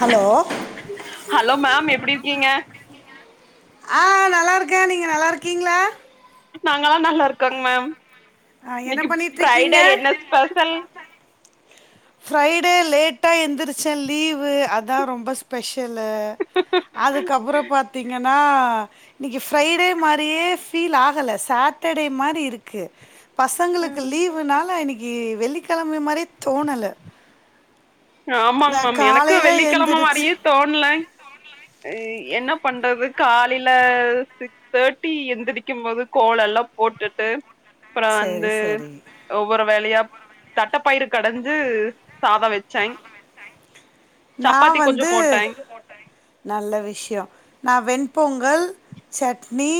Hello hello ma'am எப்டி இருக்கீங்க அ நல்லா இருக்கே நீங்க நல்லா இருக்கீங்ளா நாங்களா நல்லா இருக்கோங்க மேம் ஆ என்ன இன்னக்கி பண்ணிட்டு இருக்கீங்க ஃப்ரைடே என்ன ஸ்பெஷல் ஃப்ரைடே லேட்டா எந்திருச்சே லீவு அதா ரொம்ப ஸ்பெஷலு அதுக்கப்புற பாத்திங்கன்னா இன்னக்கி ஃப்ரைடே மாரியே ஃபீல் ஆகல சாட்டர்டே மாரி இருக்கு பசங்களுக்கு ம் லீவுனால இன்னக்கி வெள்ளிக்கிழமை மாரியே தோணல ஆமாங்க நா மேம் எனக்கு காலையில வெள்ளிக்கிழம எந்திரிச்சு மாரியே தோண்லங் அ என்ன பண்றது காலைல தி தேர்ட்டி எந்திடிக்கு போது கோலல்லா போட்டுட்டு அப்புற சரி வந்து சரி ஒவ்வொரு வேலையா தட்டப்பயிறு கடஞ்சு சாத வச் சேங் சப்பாத்தி கொஞ்சோ போட்டேங் போட்டைங் நல்ல விஷ்யோ நா வெண் பொங்கல் சட்னி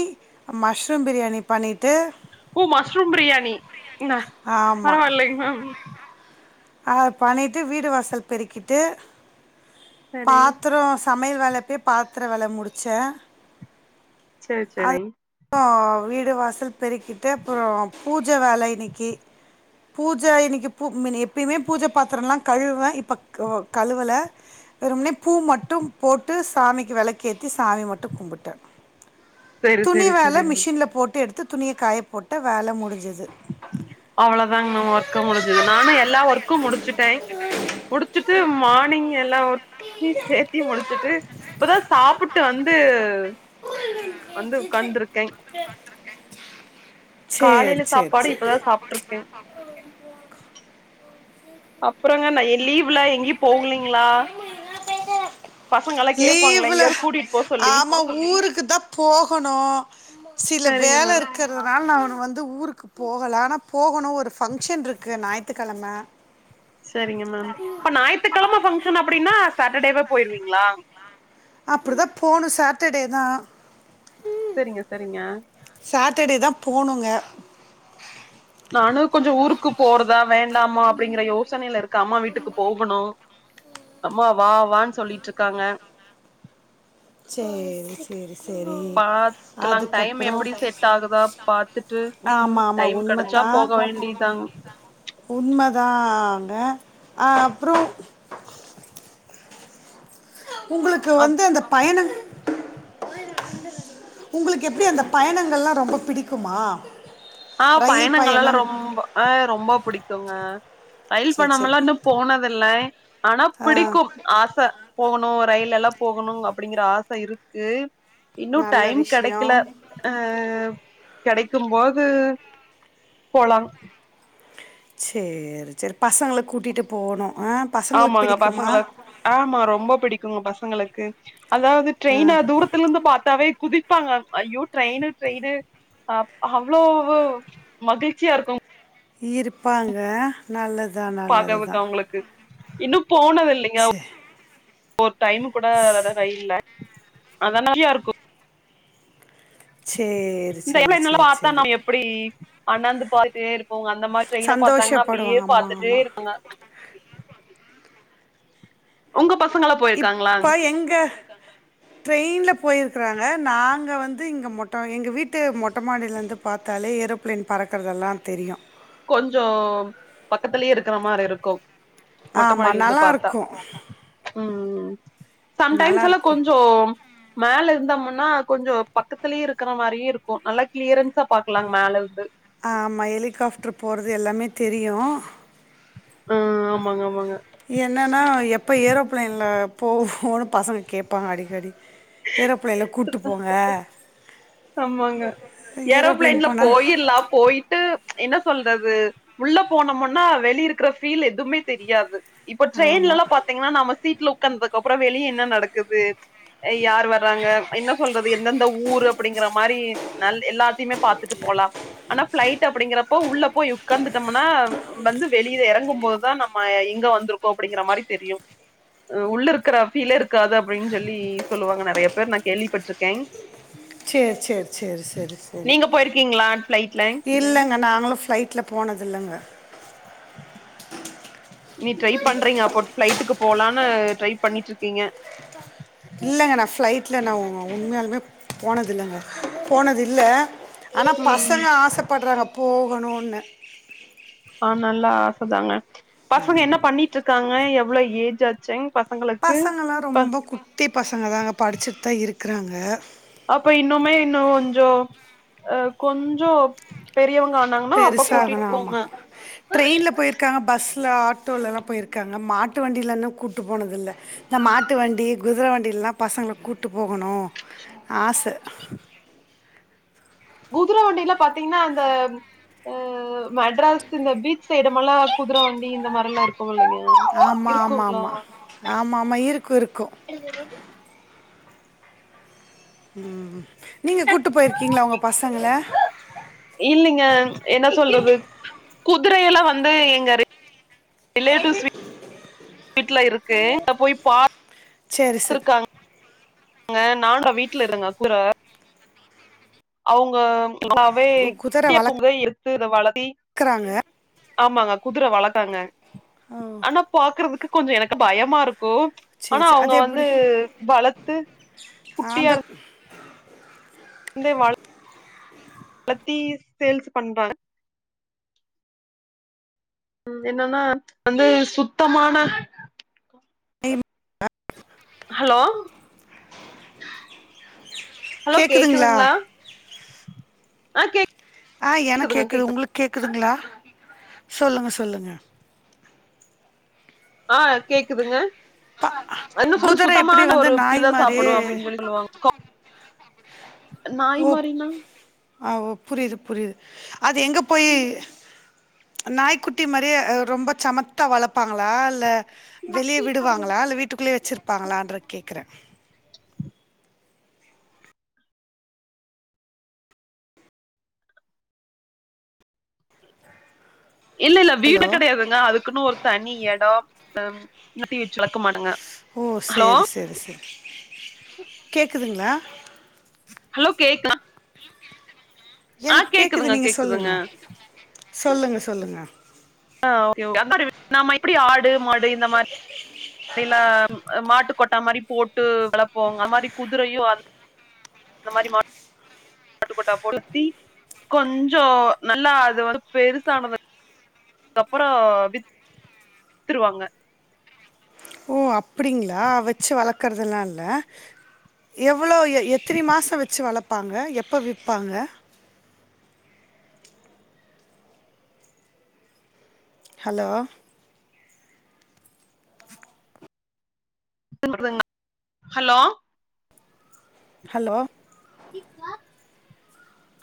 மஷ்ரூம் பிரியாணி பண்ணிட்டு ஓ மஷ்ரூம் பிரியாணி இன்ன பரவா இல்லைங் மேம் அத பண்ணிட்டு வீடு வாசல் பெருக்கிட்டு சரிங் பாத்ரோ சமையல் வேல அப்பியே பாத்ரோ வேல முடிச்சே சேரி செரிங் ப்றோ வீடு வாசல் பெருக்கிட்டு அப்றோ பூஜ வேல இன்னைக்கி பூஜ இன்னைக்கி பூ மே எப்பிமே பூஜ பாத்ரலா கழுவே இப்ப கழுவல வெறும்னே பூ மட்டு போட்டு சாமிக்கு வெளக்கேத்தி சாமி மட்டு கும்புட்டே சேரி துணி சேரி வேல சேரிங் மிஷின்ல போட்டு எடுத்து துணிய காய போட்டா வேல முடிஞ்சிது அவ்ளதாங் மேம் ஒர்க் க்கு முடிஞ்சிது நானு எல்லா ஒர்க்கு முடிச்சிட்டே முடிச்சிட்டு மார்னிங் எல்லா ஒர்க் க்கு சேத்தி முடிச்சுட்டு இப்ப தா சாப்புட்டு வந்து வந்து உக்காந்துருக்கே [inaudible] காலைல சேர் சாப்பாடு சேர் இப்பதா சாப்ட்ருக்கே அப்றங்க நா இ லீவ்ல எங்கியு போகுலிங்ளா லீவுல சொல்லி ஆமா ஊருக்குதா போகணு சில சரிங்க மேம் வேலருக்கு க்கறதுனால நானு வந்து ஊருக்கு போகல ஆனா போகுணு ஒரு ஃபங்க்ஷன் ருக்கு ஞாயித்துக் கெழம சரிங்க மேம் இப்ப ஞாயித்துக் கெழம ஃபங்க்ஷன் அப்டினா சாட்டர்டேவே போயிருவிங்ளா அப்டிதா போணு சாட்டர்டேதா செரிங்க செரிங்க சாட்டர்டேதா போணுங்க நானு கொஞ்சோ ஊருக்கு போறதா வேண்டாமா அப்டிங்ற யோசனைல இருக்கே அம்மா வீட்டுக்கு போகணு அம்மா வா வான் சொல்லிட்ருக்காங்க சேரி சேரி சேரி பாக்கலா டைம் அதுக்கப்றோ எப்டி செட் ஆகுதா பாத்துட்டு ஆமா ஆமா டைம் கெடச்சா உண்மத்தா போக வேண்டிதாங்க உண்ம தாங்க அ அப்றோ உங்குளுக்கு அப் வந்து அந்த பயண உங்குளுக்கு எப்டி அந்த பயணங்கள்லா ரொம்ப பிடிக்குமா ஆ ரயில் பயணங்களலா பயணம் ரொம்ப ஆ ரொம்ப புடிக்குங்க ரயில் சரி சரி பயணமெல்லா இன்னு போனதில்லை ஆனா ஆ பிடிக்கு ஆச போணு ரயில்லலா போகணு அப்டிங்கற ஆச இருக்கு இன்னு நல்ல டைம் கெடைக்ல விஷயம் அ கெடைக்கும்போது போலா சேரி சேரி பசங்கள கூட்டிட்டு போவுனு ஆ பசங்களுக்கு ஆமாங்க பிடிக்குமா பசங்கள ஆமா ரொம்ப பிடிக்குங்க பசங்களுக்கு அதாது ஆ ட்ரெய்னா தூர த்துலந்து பாத்தாவே குதிப்பாங்க அய்யோ ட்ரெயினு ட்ரெயினு அ ஹவ்ளோவு மகிழ்ச்சியா இருக்கு இருப்பாங்க நல்லதுதா நல்லதுதா உங்குளுக்கு இன்னு போனதில்லிங் சேரி ஒரு டைமு கூட ரயில்ல அதனாலயு இருக்கு சேரி இந்த ஏர் பிளேன்லா பாத்தா நம்ம எப்டி அண்ணாந்து பாத்துட்டே இருப்போ அந்த மாரி ட்ரெய்ன பாத்தாங்னா அப்டியே சந்தோஷப்படுவாங்க ஆமாம் பாத்துட்டே ஆமாம் இருப்பாங்க உங்க பசங்கள்லா போ இப்ப எங்க ட்ரெயின்ல போயிருக்குறாங்க நாங்க வந்து இங்க மொட்ட எங்க வீட்டு மொட்ட மாடிலந்து பாத்தாலே ஏரோப்ளேன் பறக்குறதெல்லா தெரியு கொஞ்சோ பக்கத்திலயே இருக்கிற மாரி இருக்கு மொட்ட ஆமா மாடிலிந்து பாத்தா நல்லாருக்கும் ம் ம் சம்டைம்ஸ்ஸெல்லா நல்லாருக்கும் கொஞ்சோ மேல இருந்தமுன்னா கொஞ்சோ பக்கத்துலயே இருக்கிற மாரியு இருக்கு நல்லா கிளியரன்ஸா பாக்கலாங் மேல இருந்து ஆமா ஹெலிகாப்டர் போறது எல்லாமே தெரியு ம் ஆமாங்க ஆமாங்க ம் என்னன்னா ப்போ ஏரோப்ளேன்ல போவோனு பசங்க கேப்பாங்க அடிக்கடி ஏரோப்ளேன்ல கூப்டு போங்க ஆமாங்க ஏரோப்ளேன் ஏரோப்ளேன்ல போனா போயில்லா போயிட்டு என்ன சொல்றது உள்ள போனமுன்னா வெளிய இருக்குற ஃபீல் எதுமே தெரியாது இப்ப ஆமா ட்ரெய்ன்லெல்லா பாத்தீங்கன்னா நம்ம சீட்ல உக்கந்தா அப்புறோ வெளிய என்ன நடக்குது யார் வர்றாங்க என்ன சொல்றது எந்தெந்த ஊரு அப்டிங்கிற மாரி எல்லாத்தியுமே பாத்துட்டு போலா ஆனா பிளைட் அப்டிங்கறப்போ உள்ள போயி உக்காந்துட்டமுனா வந்து வெளியில எறங்கு போதுதா நம்ம எங்க வந்திருக்கோ அப்டிங்கிற மாரி தெரியு உள்ள இருக்கிற ஃபீலே இருக்காது அப்டின் சொல்லி சொல்லுவாங்க நெறைய பேர் நா கேள்விப்பட்டிருக்கே சேர் சேர் சேர் செரி செரி நீங்க போயிருக்கீங்களா ஃபிளைட்ல இல்லங்க நாங்களு ஃப்ளைட் ல போனதுல்லங்க நீ ட்ரை பண்றீங்கப்ப பிளைட்டுக்கு போலான்னு ட்ரை பண்ணிட்டுருக்கீங்க இல்லங்க நா ஃப்ளைட்ல நா உண்மையாலுமே போனதல்லங்க போனது இல்ல ஆனா ம் பசங்க ஆசைப்பட்றாங்க போகணுன்னு ஆஹ் நல்லா ஆச தாங்க பசங்க என்ன பண்ணிட்டுருக்காங்க எவ்வளவு ஏஜ் ஆச்சுங் பசங்களுக்கு பசங்கள்லா ப ரொம்ப குட்டி பசங்க தாங்க படிச்சுட்டு தா இருக்கறாங்க அப்ப இன்னுமே இன்னு கொஞ்சோ அ கொஞ்சோ பெரியவங்க ஆனாங்கன்னா அப்ப பெருச கூட்டிட்டு ஆகலா ஆமா போங்க ட்ரெயின்ல போயிருக் காங்க பஸ்ல ஆட்டோலல்லா போயிருக்காங்க மாட்டு வண்டியிலன்னு கூட்டு போனதில்ல இந்த மாட்டு வண்டி குதிரை வண்டில்லா பசங்கள கூப்ட்டு போகணு ஆச குதர வண்டில பாத்தீங்னா அந்த அ மெட்ராஸ் இந்த பீச் சைட்மல்லா குதிர வண்டி இந்த மாரி எல்லா இருக் போவலங்க ஆமா ஆமா இருக்குங்ளா ஆமா ஆமா ஆமா இருக்கு இருக்கு ம் நீங்க கூட்டு போயிருக்கீங்ளா உங்க பசங்கள இல்லிங்க என்ன சொல்றது குதிரையெல்லா வந்து எங்க ரிலேட்டிவ்ஸ் வீட்ல இருக்கு போய் பாத் சேரி சேரி துருக்காங் க நாண்டா வீட்டுல தாங்க குதர அவங்க ளாவே குதிர குட்டிாக்கும்போதே எடுத்து இத வளத்தி வளக்குறாங்க ஆமாங்க குதுர வளகாங்க ஓ ஆனா பாக்குறதுக்கு கொஞ்சோ எனக்கு பயமா இருக்கு ஆனா சேரி சேரி அவங்க அது வந்து எப்டி வளத்து குட்டியா அந்த இருக் ந்தே வள வளத்தி சேல்ஸ் பண்றாங்க ம் என்னன்னா வந்து சுத்தமான [unintelligible] ஹலோ ஹலோ கேக்குதுங்களா கேக்குதுங்ளா ஆ கேக் ஆ எனக் கேக்குது உங்களுக் கேக்குதுங்ளா சொல்லுங்க சொல்லுங்க ஆ கேக்குதுங்க ப என்ன சொல் குதிர எப்படி சுத்தமான வந்து ஒரு நாய் [unintelligible] மாரியே சாப்புடு அப்டின்னு சொல்லி சொல்லுவாங் ஓ மாரினா ஆ ஓ புரிது புரிது அது எங்க போய் நாய்க்குட்டி மாரியே அ ரொம்ப சமத்தா வளப்பாங்களா இல்ல வெளிய விடுவாங்களா இல்ல வீட்டுக்குள்ளயே வச்சிருப்பாங்களன்ற கேக்குற இல்ல இல்ல வீடுல ஹலோ கெடையாதுங்க அதுக்குன்னு ஒரு தனி எடொ ஹம் நட்டி வச்சு வளக்க மாட்டாங்க ஓ ஹலோ சேரி சேரி செரி கேக்குதுங்ளா ஹலோ கேக்கா எனக் கேக்குது கேக்குதுங்க நீங்க கேக்குதுங்க சொல்லுங்க சொல்லுங்க சொல்லுங்க [unintelligible] நம்ம எப்டி ஆடு மாடு இந்த மார் ரில்லா மாட்டு கொட்டா மாரி போட்டு வளப்போங்க அந்த மாரி குதிரையு அந் ந்த மாரி மா ட்டுக்கொட்டா பொறுத்தி கொஞ்சொ நல்லா அது வந்து பெருசானதுக் கப்பறோ வித் துருவாங்க ஓ அப்டிங்களா வெச்சு வளக்குறதுல்லால்ல எவ்ளோ எ எத்தனி மாசொ வச்சு வளப்பாங்க எப்போ விப்பாங்க hello [inaudible] hello hello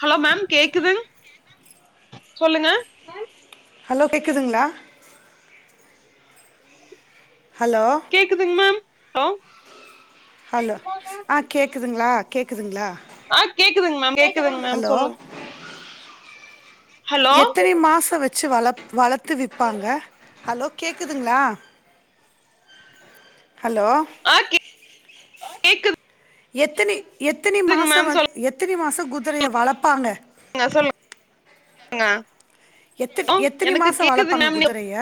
hello ma'am கேக்குது சொல்லுங்க ஹலோ கேக்குதுங்ளா ஹலோ கேக்குதுங் மேம் ஹலோ ஹலொ ஆ கேக்குதுங்ளா கேக்குதுங்ளா ஆ கேக்குதுங் மேம் கேக்குதுங் மேம் சொல்லுங் ஹலோ எத்தனை மாசோ வச்சு வள வளத்து விப்பாங்க ஹலோ கேக்குதுங்ளா ஹலோ ஆ கேக்குதுங் எத்தினி எத்தினி மாசோ மேம் வ சொல்லுங்க எத்தினி மாசோ குதிரைய வளப்பாங்க ன்ன சொல்லுங் க எத்தி எத்தினி மாசோ வளப்பாங்க மேம் குதுரைய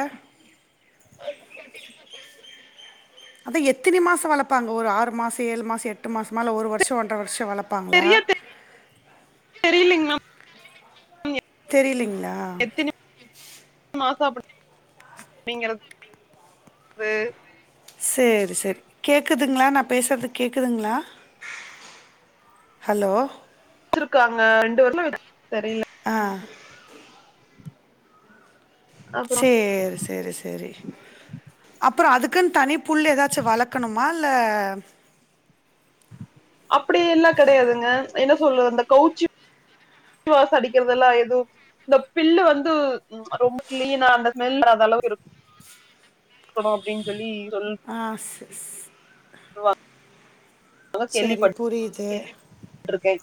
அதா எத்தினி மாசோ வளப்பாங்க ஒரு ஆறு மாச ஏழு மாச எட்டு மாசமா இல்ல ஒரு வருஷோ ஒன்ற வருஷோ வளப் பாங்ளா சரியா தெரிலீங் மேம் தெரிலிங்ளா எத்தினி [inaudible] மாசோ அப்டிங்கிறது சேரி செரி கேக்குதுங்ளா நா பேசுறது கேக்குதுங்ளா ஹலோ வெச்சுருக்காங்க ரெண்டு [inaudible] தெரில அ அப்புற சேரி செரி செரி அப்பறோ அதுக்குன்னு தனி புல் எதாச்சு வளக்கணுமா இல்ல அப்படி எல்லா கெடையாதுங்க என்ன சொல்ல இந்த கவுச்சி வாசோ அடிக்கிறதெல்லா எதுவு இந்த பில்லு வந்து ம் ரொம்ப கிளீனா அந்த ஸ்மெல் வராத அளவுக்கு இரு க்கணு அப்டின் சொல்லி சொல் ஆ ஸ் ஸ் ட்ருவா. செரி புரியுது. ட்ருக்கே.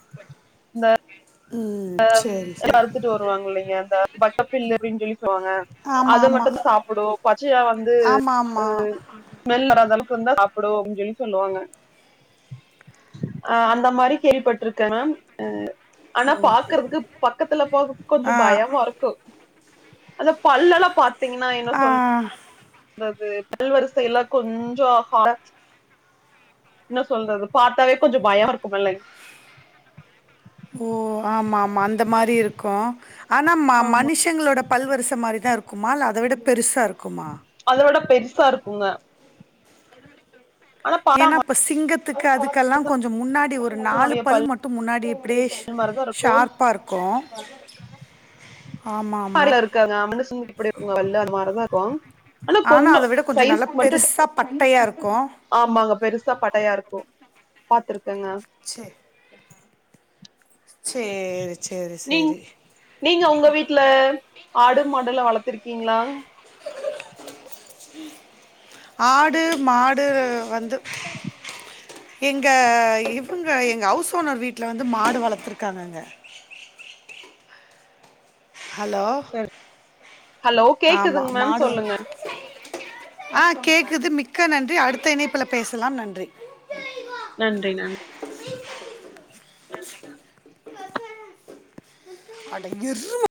ம் அ சரி சரி அறுத்துட்டு வருவாங்கில்லிங்க அந்த [inaudible] பில்லு அப்டின் சொல்லி [inaudible] அது ஆமாம் ஆமாம் மட்டுந்தா சாப்டு பச்சையா வந்து ஆமாம் அ ஆமாம் ஸ்மெல் வராத அளவுக்கு இர்ந்தா சாப்புடு அப்டின் சொல்லி சொல்லுவாங்க. அ அந்த மாரி கேள்விப்பட்டிருக்கே மேம் அ. ஆனா பாக்கறதுக்கு பக்கத்துல போறதுக்கு கொஞ்ஜோ ஆ பயமாருக்கு. அத பல்லெல்லா பாத்தீங்கனா என்ன ஆ சொல் றது. பல் வரிசை எல்லா கொஞ்சோ [inaudible] என்ன சொல்றது பாத்தாவே கொஞ்சோ பயோ இருக்குமில்லிங் ஓ ஆமா ஆமா அந்த மாரி இருக்கு ஆனா ம ம ஆமா மனுஷ் சங்களோட பல்வருச மாரிதா இருக்குமா இல்ல அத விட பெருசா இருக்குமா? அத விட பெருசா இருக்குங்க. ஆனா பாத்தா ஏனா இப்ப சிங்கத்துக்கு அதுக்கெல்லா கொஞ்சோ முன்னாடி ஒரு நாலு பல் மட்டு முன்னாடி அப்டேஷ் மாரிதா இருக்கு ஷார்ப்பாருக்கு ஆமாமா. [inaudible] மாரதாக்கு. ஆனா அத விட கொஞ்சோ நல்லா பெருசா பட்டையாருக்கு. ஆமாங்க பெருசா பட்டையா இருக்கு பாத்துருக்கங்க. செரி. சேரி சேரி சேரி அ ல்ல ஆடு மாடெல்லா வளத்துருகிங்ளா? ஆடு மாடு வந்து எங்க இவுங்க எங்க அவுஸ் ஓனர் வீட்ல வந்து மாடு வளத்துருக்காங்கங்க. ஹலோ? சரி ஹலோ ஆமா கேக்குதுங்க மேம் மாடுவ சொல்லுங்க ஆ கேக்குது மிக்க நன்றி அடுத்த இணைப்புல பேசலாம் நன்றி. நன்றி நன் அடங் ர்மா